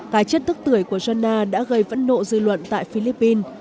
tài chất thức tưởi của jonna đã gây vấn nộ dư luận tại philippines